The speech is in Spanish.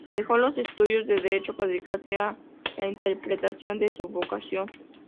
Dejó los estudios de Derecho para dedicarse a la interpretación, su vocación.